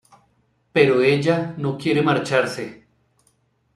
Pero ella no quiere marcharse.